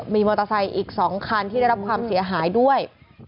มีมอเตอร์ไซค์อีก๒คันที่ได้รับความเสียหายด้วย